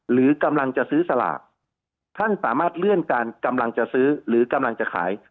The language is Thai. หรือกำลังจะซื้อสลากท่านสามารถเลื่อนการกำลังจะซื้อหรือกำลังจะขาย